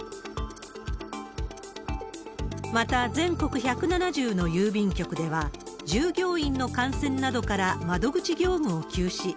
また、全国１７０の郵便局では、従業員の感染などから窓口業務を休止。